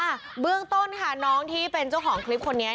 เบื้องต้นค่ะน้องที่เป็นเจ้าของคลิปคนนี้